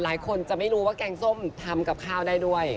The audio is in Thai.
หลายคนจะไม่รู้ว่าแกงส้มทำกับข้าวได้ด้วย